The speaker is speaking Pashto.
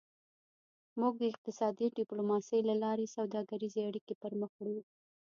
موږ د اقتصادي ډیپلوماسي له لارې سوداګریزې اړیکې پرمخ وړو